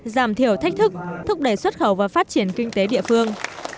giảm thiểu thách thức thúc đẩy xuất khẩu và phát triển kinh tế địa phương